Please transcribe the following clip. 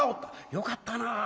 よかったな。